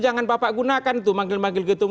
jangan bapak gunakan tuh manggil manggil getung